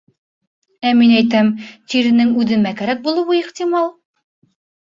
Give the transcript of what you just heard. Ә мин әйтәм, тиренең үҙемә кәрәк булыуы ихтимал.